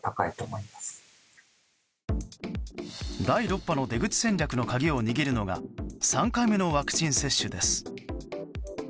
第６波の出口戦略の鍵を握るのが３回目のワクチン接種です。